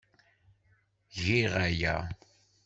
Giɣ aya.